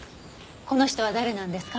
この人は誰なんですか？